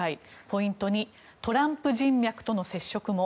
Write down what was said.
ポイント２トランプ人脈との接触も。